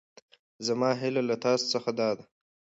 زما هېله له تاسو څخه دا ده.